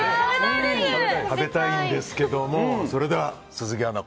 食べたいんですけども鈴木アナ